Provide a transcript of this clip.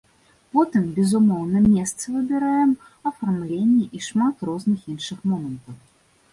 Потым, безумоўна, месца выбіраем, афармленне і шмат розных іншых момантаў.